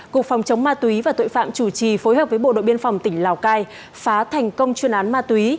cục phòng chống ma túy và tội phạm chủ trì phối hợp với bộ đội biên phòng tỉnh lào cai phá thành công chuyên án ma túy